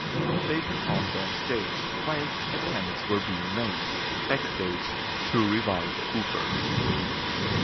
They performed onstage whilst attempts were being made, backstage, to revive Cooper.